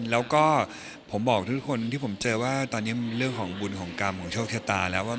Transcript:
แล้วก็ผมบอกทุกคนว่าตอนนี้มันอยู่กับบุญกรรมของชกชะตา